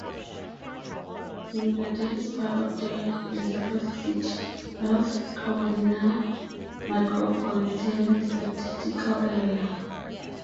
Belvidere is part of the Elizabeth City, North Carolina Micropolitan Statistical Area.